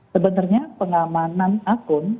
sebenarnya pengamanan akun